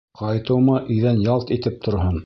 Ҡайтыуыма иҙән ялт итеп торһон!